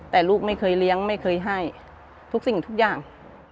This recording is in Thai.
แต่ลูกไม่เคยเลี้ยงไม่เคยให้ทุกสิ่งทุกอย่าง